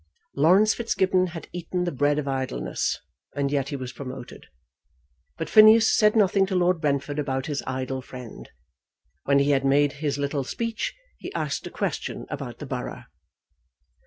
Laurence Fitzgibbon had eaten the bread of idleness, and yet he was promoted. But Phineas said nothing to Lord Brentford about his idle friend. When he had made his little speech he asked a question about the borough.